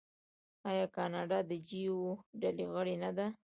آیا کاناډا د جي اوه ډلې غړی نه دی؟